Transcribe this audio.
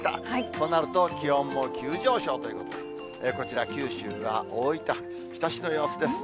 となると、気温も急上昇ということで、こちら、九州は大分・日田市の様子です。